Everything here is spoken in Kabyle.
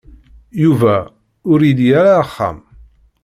Yuba ur ili ara axxam.